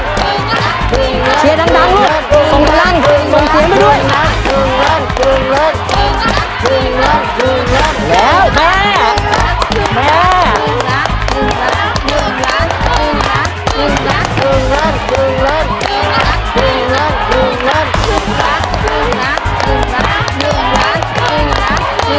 เชียร์ดังลูกส่งกำลังส่งเสียงไปด้วย